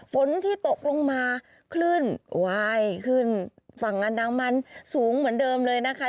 ฝนที่ตกลงมาคลื่นวายขึ้นฝั่งอันดามันสูงเหมือนเดิมเลยนะคะ